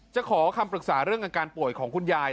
ขอคำปรึกษาเรื่องอาการป่วยของคุณยาย